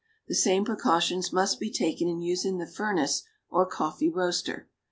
The same precautions must be taken in using the furnace or coffee roaster.